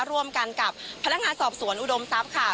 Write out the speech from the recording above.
ร่วมกันกับพนักงานสอบสวนอุดมทรัพย์ค่ะ